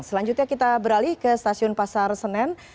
selanjutnya kita beralih ke stasiun pasar senen